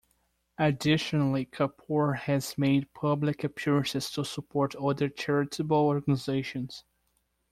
Additionally, Kapoor has made public appearances to support other charitable organisations.